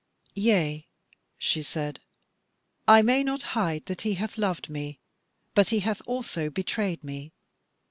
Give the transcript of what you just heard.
"Yea," she said, "I may not hide that he hath loved me: but he hath also betrayed me.